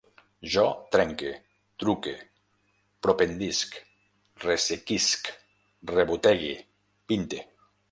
Jo trenque, truque, propendisc, ressequisc, rebotegue, pinte